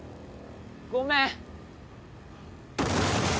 ごめん。